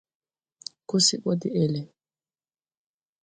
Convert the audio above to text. Ko se ɓɔ de ɛlɛ.